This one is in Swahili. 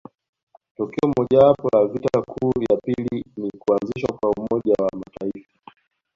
Tokeo mojawapo la vita kuu ya pili ni kuanzishwa kwa Umoja wa mataifa